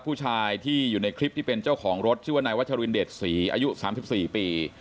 ผู้ชายที่อยู่ในคลิปที่เป็นเจ้าของรถชื่อว่านายวัชรินเดชศรีอายุ๓๔ปี